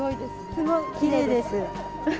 すごい、きれいです。